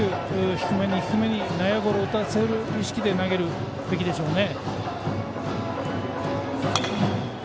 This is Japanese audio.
低めに低めに内野ゴロを打たせる意識で投げるべきでしょうね。